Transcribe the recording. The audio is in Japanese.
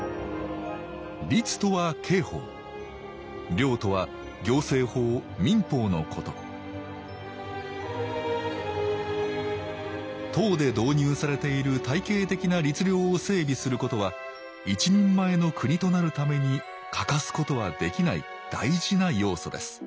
令とは行政法・民法のこと唐で導入されている体系的な律令を整備することは一人前の国となるために欠かすことはできない大事な要素です